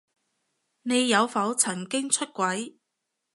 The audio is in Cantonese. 你有否曾經出軌？